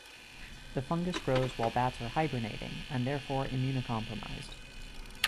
The fungus grows while bats are hibernating, and therefore immuno-compromised.